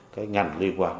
cái ngành liên quan